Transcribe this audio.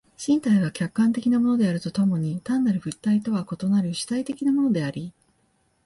身体は客観的なものであると共に単なる物体とは異なる主体的なものであり、